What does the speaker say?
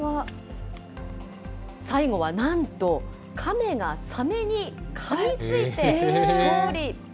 最後はなんと、カメがサメにかみついて勝利。